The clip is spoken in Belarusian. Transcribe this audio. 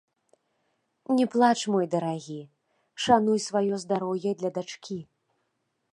Не плач, мой дарагі, шануй сваё здароўе для дачкі.